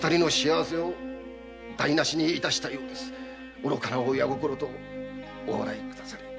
愚かな親心とお笑いくだされ。